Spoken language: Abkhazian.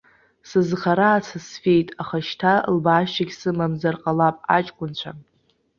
Сызхара аца сфеит, аха шьҭа лбаашьагьы сымамзар ҟалап, аҷкәынцәа.